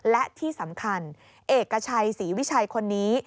และที่สำคัญเอกชัยศรีวิชัยคนนี้